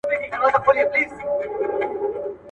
موږ باید د حق تر څنګ ودرېږو.